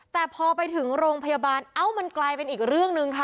แต่พอไปถึงโรงพยาบาลเอ้ามันกลายเป็นอีกเรื่องหนึ่งค่ะ